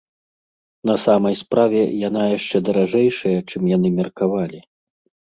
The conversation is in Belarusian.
На самай справе, яна яшчэ даражэйшая, чым яны меркавалі.